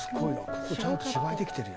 ここちゃんと芝居できてるやん。